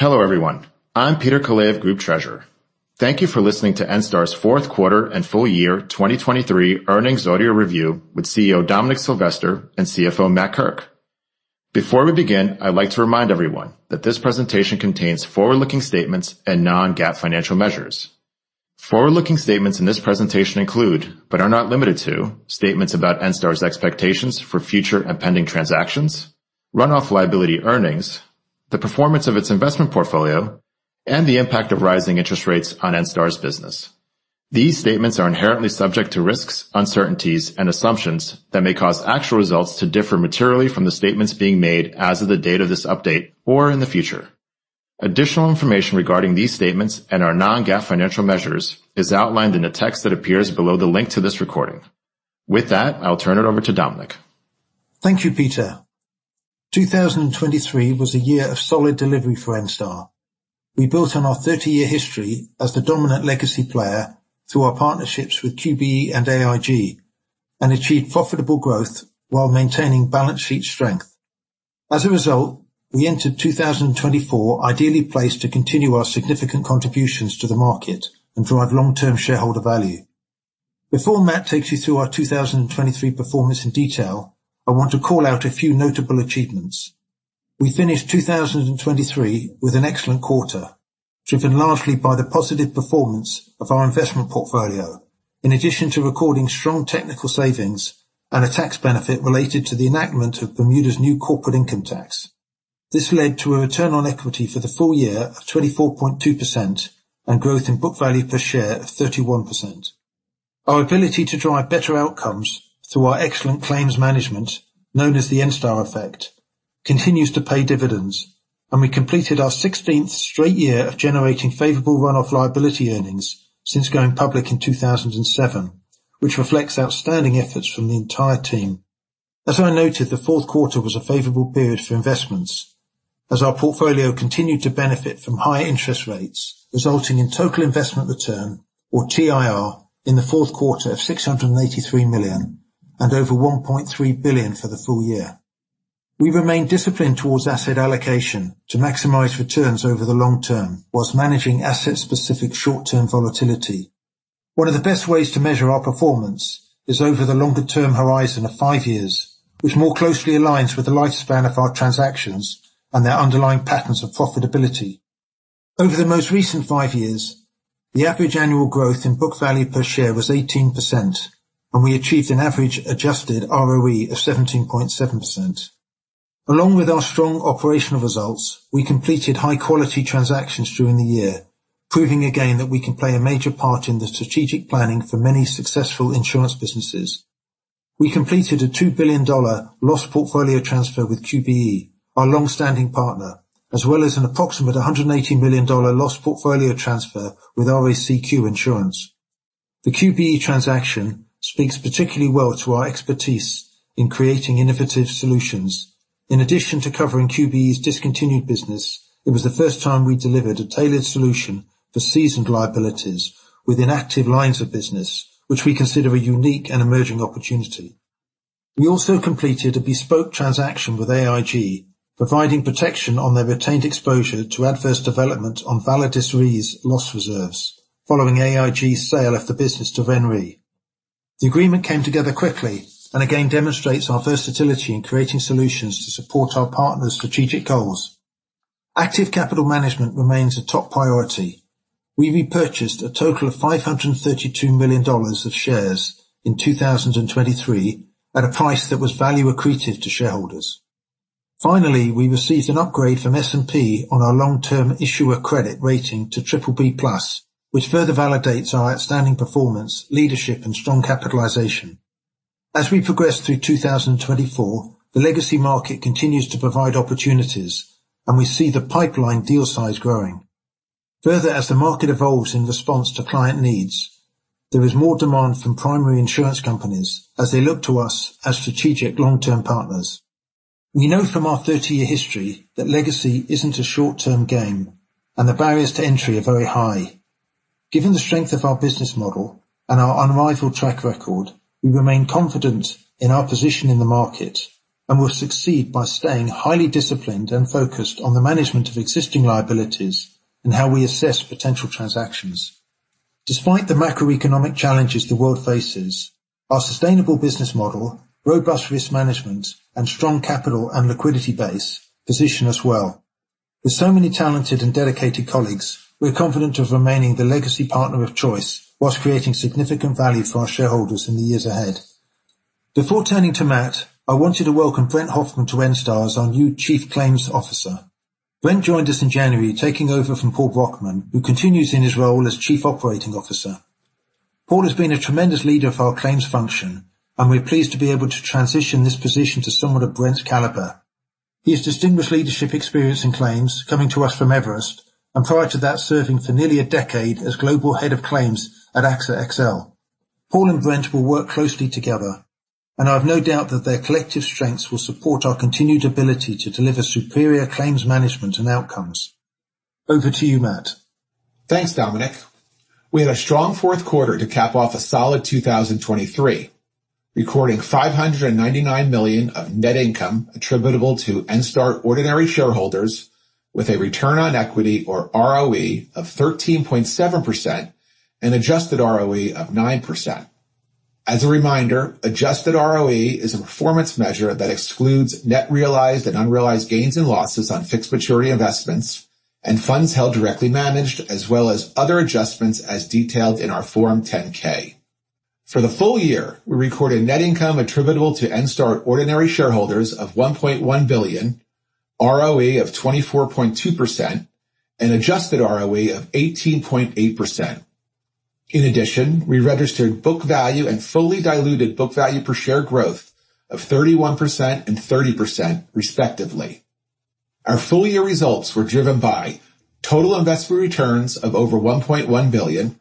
Hello everyone, I'm Peter Kalaev, Group Treasurer. Thank you for listening to Enstar's Fourth Quarter and Full Year 2023 Earnings Audio Review with CEO Dominic Silvester and CFO Matt Kirk. Before we begin, I'd like to remind everyone that this presentation contains forward-looking statements and non-GAAP financial measures. Forward-looking statements in this presentation include, but are not limited to, statements about Enstar's expectations for future and pending transactions, run-off liability earnings, the performance of its investment portfolio, and the impact of rising interest rates on Enstar's business. These statements are inherently subject to risks, uncertainties, and assumptions that may cause actual results to differ materially from the statements being made as of the date of this update or in the future. Additional information regarding these statements and our non-GAAP financial measures is outlined in the text that appears below the link to this recording. With that, I'll turn it over to Dominic. Thank you, Peter. 2023 was a year of solid delivery for Enstar. We built on our 30-year history as the dominant legacy player through our partnerships with QBE and AIG, and achieved profitable growth while maintaining balance sheet strength. As a result, we entered 2024 ideally placed to continue our significant contributions to the market and drive long-term shareholder value. Before Matt takes you through our 2023 performance in detail, I want to call out a few notable achievements. We finished 2023 with an excellent quarter, driven largely by the positive performance of our investment portfolio, in addition to recording strong technical savings and a tax benefit related to the enactment of Bermuda's new corporate income tax. This led to a return on equity for the full year of 24.2% and growth in book value per share of 31%. Our ability to drive better outcomes through our excellent claims management, known as the Enstar Effect, continues to pay dividends, and we completed our 16th straight year of generating favorable Run-off Liability Earnings since going public in 2007, which reflects outstanding efforts from the entire team. As I noted, the fourth quarter was a favorable period for investments, as our portfolio continued to benefit from higher interest rates resulting in total investment return, or TIR, in the fourth quarter of $683 million and over $1.3 billion for the full year. We remained disciplined towards asset allocation to maximize returns over the long term, while managing asset-specific short-term volatility. One of the best ways to measure our performance is over the longer-term horizon of five years, which more closely aligns with the lifespan of our transactions and their underlying patterns of profitability. Over the most recent five years, the average annual growth in book value per share was 18%, and we achieved an average adjusted ROE of 17.7%. Along with our strong operational results, we completed high-quality transactions during the year, proving again that we can play a major part in the strategic planning for many successful insurance businesses. We completed a $2 billion loss portfolio transfer with QBE, our longstanding partner, as well as an approximate $180 million loss portfolio transfer with RACQ Insurance. The QBE transaction speaks particularly well to our expertise in creating innovative solutions. In addition to covering QBE's discontinued business, it was the first time we delivered a tailored solution for seasoned liabilities within active lines of business, which we consider a unique and emerging opportunity. We also completed a bespoke transaction with AIG, providing protection on their retained exposure to adverse development on Validus Re's loss reserves, following AIG's sale of the business to RenaissanceRe. The agreement came together quickly and again demonstrates our versatility in creating solutions to support our partners' strategic goals. Active capital management remains a top priority. We repurchased a total of $532 million of shares in 2023 at a price that was value accretive to shareholders. Finally, we received an upgrade from S&P on our long-term issuer credit rating to BBB+, which further validates our outstanding performance, leadership, and strong capitalization. As we progress through 2024, the legacy market continues to provide opportunities, and we see the pipeline deal size growing. Further, as the market evolves in response to client needs, there is more demand from primary insurance companies as they look to us as strategic long-term partners. We know from our 30-year history that legacy isn't a short-term game, and the barriers to entry are very high. Given the strength of our business model and our unrivaled track record, we remain confident in our position in the market and will succeed by staying highly disciplined and focused on the management of existing liabilities and how we assess potential transactions. Despite the macroeconomic challenges the world faces, our sustainable business model, robust risk management, and strong capital and liquidity base position us well. With so many talented and dedicated colleagues, we're confident of remaining the legacy partner of choice whilst creating significant value for our shareholders in the years ahead. Before turning to Matt, I wanted to welcome Brent Hoffman to Enstar as our new Chief Claims Officer. Brent joined us in January taking over from Paul Brockman, who continues in his role as Chief Operating Officer. Paul has been a tremendous leader of our claims function, and we're pleased to be able to transition this position to someone of Brent's caliber. He has distinguished leadership experience in claims, coming to us from Everest, and prior to that serving for nearly a decade as Global Head of Claims at AXA XL. Paul and Brent will work closely together, and I have no doubt that their collective strengths will support our continued ability to deliver superior claims management and outcomes. Over to you, Matt. Thanks, Dominic. We had a strong fourth quarter to cap off a solid 2023, recording $599 million of net income attributable to Enstar ordinary shareholders, with a return on equity, or ROE, of 13.7% and adjusted ROE of 9%. As a reminder, adjusted ROE is a performance measure that excludes net realized and unrealized gains and losses on fixed maturity investments and funds held directly managed, as well as other adjustments as detailed in our Form 10-K. For the full year, we recorded net income attributable to Enstar ordinary shareholders of $1.1 billion, ROE of 24.2%, and adjusted ROE of 18.8%. In addition, we registered book value and fully diluted book value per share growth of 31% and 30%, respectively. Our full-year results were driven by total investment returns of over $1.1 billion,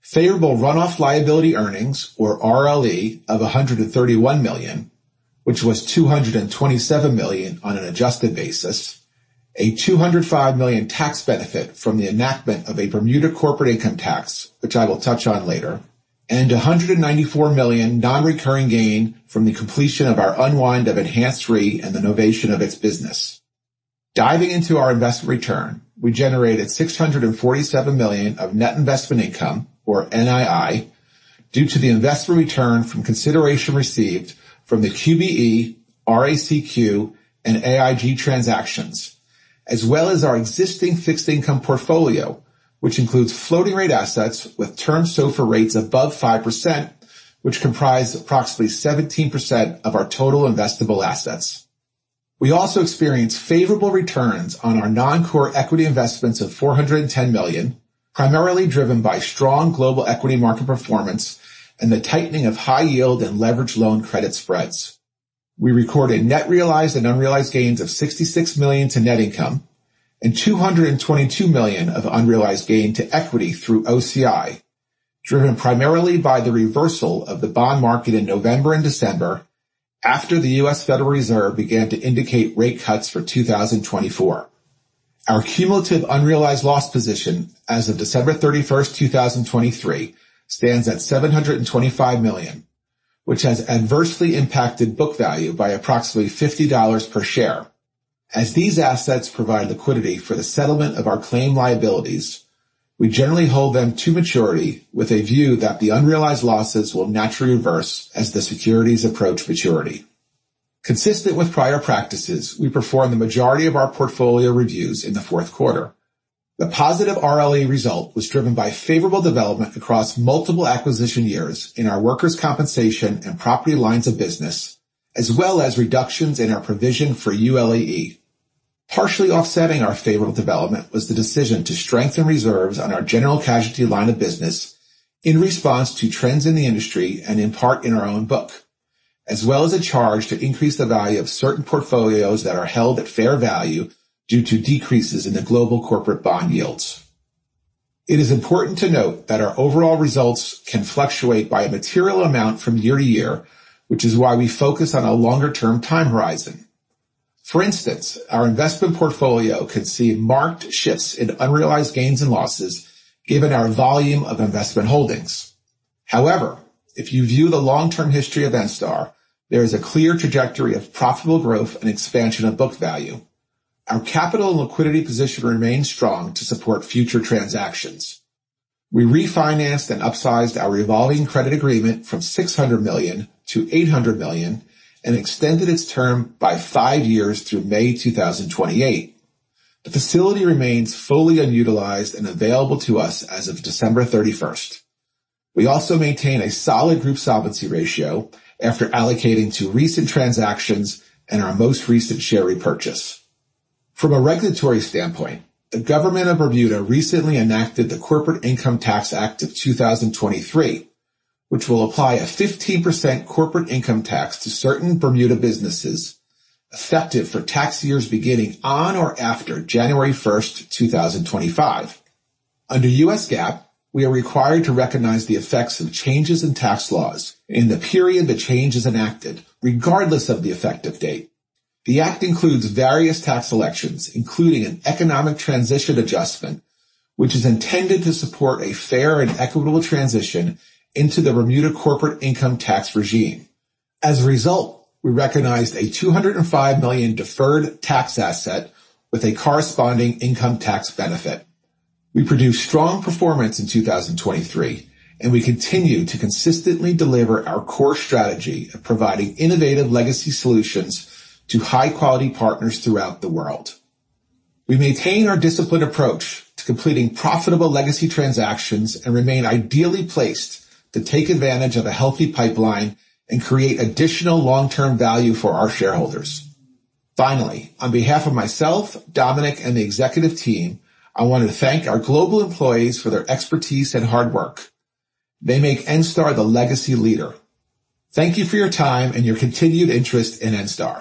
favorable run-off liability earnings, or RLE, of $131 million, which was $227 million on an adjusted basis, a $205 million tax benefit from the enactment of a Bermuda corporate income tax, which I will touch on later, and $194 million non-recurring gain from the completion of our unwind of Enhanzed Re and the novation of its business. Diving into our investment return, we generated $647 million of net investment income, or NII, due to the investment return from consideration received from the QBE, RACQ, and AIG transactions, as well as our existing fixed income portfolio, which includes floating-rate assets with Term SOFR rates above 5%, which comprise approximately 17% of our total investable assets. We also experienced favorable returns on our non-core equity investments of $410 million, primarily driven by strong global equity market performance and the tightening of high-yield and leveraged loan credit spreads. We recorded net realized and unrealized gains of $66 million to net income and $222 million of unrealized gain to equity through OCI, driven primarily by the reversal of the bond market in November and December after the U.S. Federal Reserve began to indicate rate cuts for 2024. Our cumulative unrealized loss position as of December 31st, 2023, stands at $725 million, which has adversely impacted book value by approximately $50 per share. As these assets provide liquidity for the settlement of our claim liabilities, we generally hold them to maturity with a view that the unrealized losses will naturally reverse as the securities approach maturity. Consistent with prior practices, we performed the majority of our portfolio reviews in the fourth quarter. The positive RLE result was driven by favorable development across multiple acquisition years in our workers' compensation and property lines of business, as well as reductions in our provision for ULAE. Partially offsetting our favorable development was the decision to strengthen reserves on our general casualty line of business in response to trends in the industry and in part in our own book, as well as a charge to increase the value of certain portfolios that are held at fair value due to decreases in the global corporate bond yields. It is important to note that our overall results can fluctuate by a material amount from year to year, which is why we focus on a longer-term time horizon. For instance, our investment portfolio could see marked shifts in unrealized gains and losses given our volume of investment holdings. However, if you view the long-term history of Enstar, there is a clear trajectory of profitable growth and expansion of book value. Our capital and liquidity position remains strong to support future transactions. We refinanced and upsized our revolving credit agreement from $600 million to $800 million and extended its term by five years through May 2028. The facility remains fully unutilized and available to us as of December 31st. We also maintain a solid group solvency ratio after allocating to recent transactions and our most recent share repurchase. From a regulatory standpoint, the Government of Bermuda recently enacted the Corporate Income Tax Act of 2023, which will apply a 15% corporate income tax to certain Bermuda businesses effective for tax years beginning on or after January 1st, 2025. Under U.S. GAAP, we are required to recognize the effects of changes in tax laws in the period the change is enacted, regardless of the effective date. The act includes various tax elections, including an economic transition adjustment, which is intended to support a fair and equitable transition into the Bermuda corporate income tax regime. As a result, we recognized a $205 million deferred tax asset with a corresponding income tax benefit. We produced strong performance in 2023, and we continue to consistently deliver our core strategy of providing innovative legacy solutions to high-quality partners throughout the world. We maintain our disciplined approach to completing profitable legacy transactions and remain ideally placed to take advantage of a healthy pipeline and create additional long-term value for our shareholders. Finally, on behalf of myself, Dominic, and the executive team, I want to thank our global employees for their expertise and hard work. They make Enstar the legacy leader. Thank you for your time and your continued interest in Enstar.